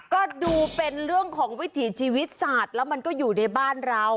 ก็ดูเป็นเรื่องของวิถีชีวิตศาสตร์แล้วมันก็อยู่ในบ้านเรา